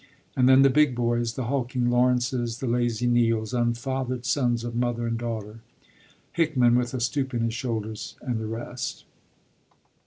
And then the big boys, the hulking Lawrences; the lazy Neills, unfathered sons of mother and daughter; Hickman, with a stoop in his shoulders; and the rest.